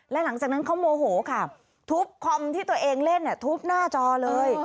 และหลังจากนั้นเขาโมโหค่ะทุบคอมที่ตัวเองเล่นทุบหน้าจอเลย